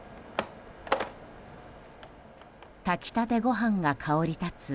炊き立てご飯が香り立つ